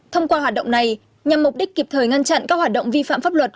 thông qua hoạt động này nhằm mục đích kịp thời ngăn chặn các hoạt động vi phạm pháp luật